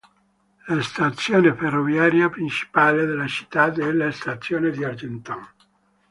La stazione ferroviaria principale della città è la Stazione di Argentan.